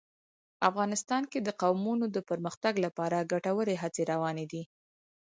افغانستان کې د قومونه د پرمختګ لپاره ګټورې هڅې روانې دي.